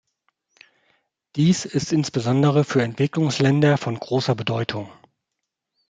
Dies ist insbesondere für Entwicklungsländer von großer Bedeutung.